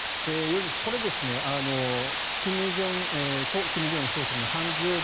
これ、故・金正日総書記の誕生日